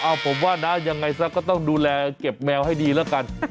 เอาผมว่านะยังไงซะก็ต้องดูแลเก็บแมวให้ดีแล้วกัน